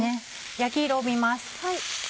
焼き色を見ます。